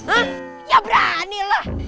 hah ya berani lah